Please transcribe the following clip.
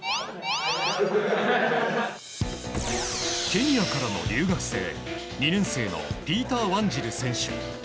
ケニアからの留学生２年生のピーター・ワンジル選手。